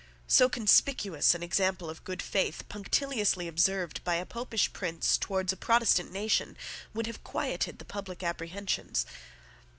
So conspicuous an example of good faith punctiliously observed by a Popish prince towards a Protestant nation would have quieted the public apprehensions.